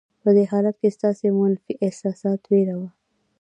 په دې حالت کې ستاسې منفي احساسات وېره ده.